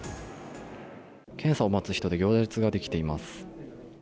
検査を待つ人で行列ができています。